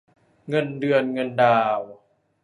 เงินเดือนเงินดาว